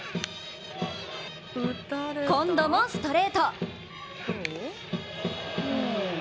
今度もストレート。